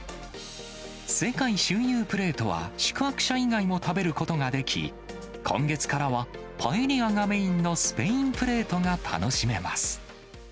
世界周遊プレートは、宿泊者以外も食べることができ、今月からは、パエリアがメインのスペインプレートが楽しめます。